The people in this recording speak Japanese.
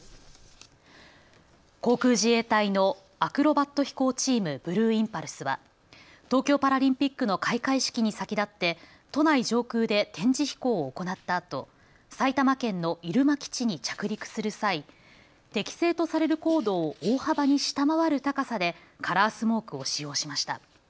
航空自衛隊のアクロバット飛行チーム、ブルーインパルスは東京パラリンピックの開会式に先立って都内上空で展示飛行を行ったあと埼玉県の入間基地に着陸する際、適正とされる高度を大幅に下回る高さでカラースモークを使用しました。